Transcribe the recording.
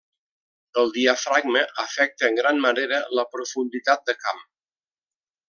El diafragma afecta en gran manera la profunditat de camp.